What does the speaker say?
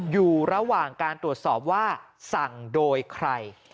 อยู่ระหว่างการตรวจสอบว่าสั่งโดยใคร